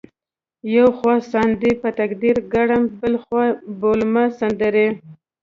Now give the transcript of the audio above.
یو خوا ساندې په تقدیر کړم بل خوا بولمه سندرې